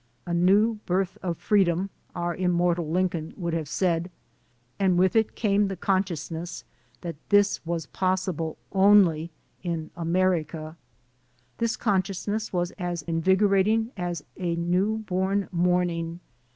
"A new birth of freedom," our immortal Lincoln would have said, and with it came the consciousness that this was possible only in America. This consciousness was as invigorating as a newborn morning.